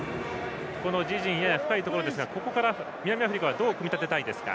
自陣やや深いところですがここから南アフリカはどう組み立てたいですか？